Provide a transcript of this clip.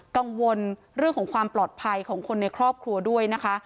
กังวลเรื่องของความปลอดภัยของคนในครอบครัวด้วยนะคะ